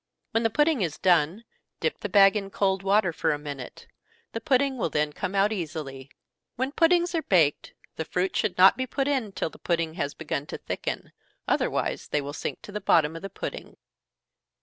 When the pudding is done, dip the bag into cold water for a minute the pudding will then come out easily. When puddings are baked, the fruit should not be put in till the pudding has begun to thicken, otherwise they will sink to the bottom of the pudding.